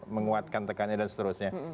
menguatkan tekannya dan seterusnya